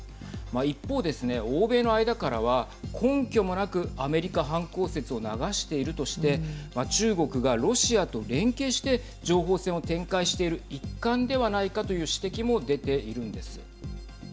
一方ですね、欧米の間からは根拠もなくアメリカ犯行説を流しているとして中国がロシアと連携して情報戦を展開している一環ではないかという指摘も出ているんです。